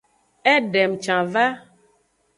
Edem can va.